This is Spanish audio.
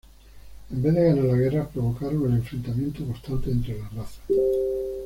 En vez de ganar la guerra, provocaron el enfrentamiento constante entre las razas.